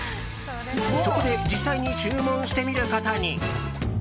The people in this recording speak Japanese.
そこで実際に注文してみることに。